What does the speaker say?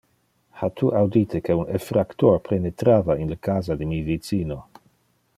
Ha tu audite que un effractor penetrava in le casa de mi vicino?